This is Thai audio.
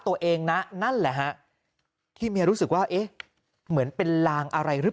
ตัวเองนะนั่นแหละฮะที่เมียรู้สึกว่าเอ๊ะเหมือนเป็นลางอะไรหรือเปล่า